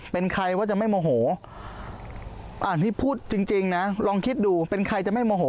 เป็นใครว่าจะไม่โมโหอ่านให้พูดจริงนะลองคิดดูเป็นใครจะไม่โมโห